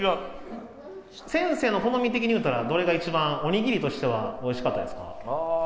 先生の好み的に言うたらどれが一番おにぎりとしてはおいしかったですか？